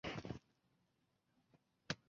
位于圣托马斯岛南岸。